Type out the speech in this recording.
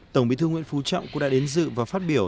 tổng bí thư nguyễn phú trọng cũng đã đến dự và phát biểu